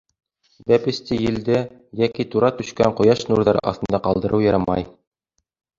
Бәпесте елдә йәки тура төшкән ҡояш нурҙары аҫтында ҡалдырыу ярамай.